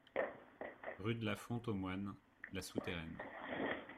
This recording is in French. Rue de la Font aux Moines, La Souterraine